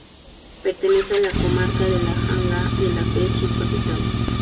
Pertenece a la comarca de La Janda, de la que es su capital.